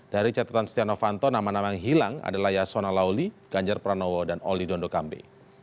dari catatan setia novanto nama nama yang hilang adalah yasona lauli ganjar pranowo dan oli dondokambe